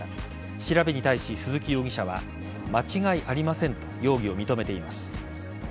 調べに対し鈴木容疑者は間違いありませんと容疑を認めています。